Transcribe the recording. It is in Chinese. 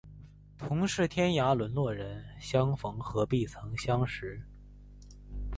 同是天涯沦落人，相逢何必曾相识